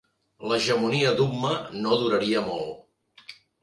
L'hegemonia d'Umma no duraria molt.